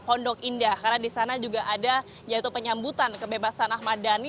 pondok indah karena di sana juga ada yaitu penyambutan kebebasan ahmad dhani